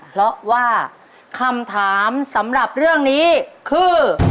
เพราะว่าคำถามสำหรับเรื่องนี้คือ